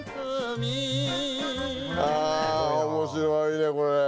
あ面白いねこれ。